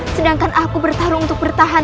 sedangkan aku bertarung untuk bertahan